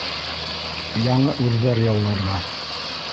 Яңы үрҙәр яуларға.